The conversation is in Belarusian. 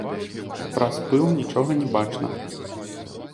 Праз пыл нічога не бачна.